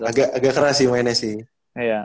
agak keras sih mainnya sih